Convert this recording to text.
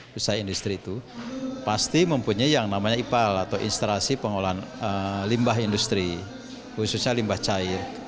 pusat industri itu pasti mempunyai yang namanya ipal atau instalasi pengolahan limbah industri khususnya limbah cair